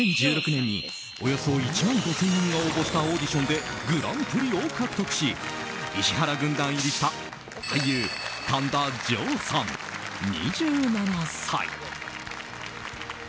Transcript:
２０１６年におよそ１万５０００人が応募したオーディションでグランプリを獲得し石原軍団入りした俳優・神田穣さん、２７歳。